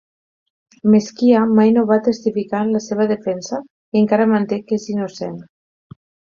Mezquia mai no va testificar en la seva defensa i encara manté que és innocent.